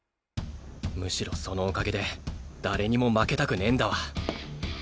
むしろそのおかげで誰にも負けたくねぇんだわ。